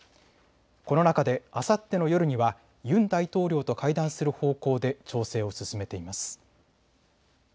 この中であさっての夜にはユン大統領と会談する方向で調整を進めています。